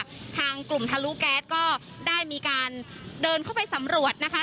ทางกลุ่มทะลุแก๊สก็ได้มีการเดินเข้าไปสำรวจนะคะ